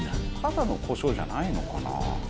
「ただのコショウじゃないのかな」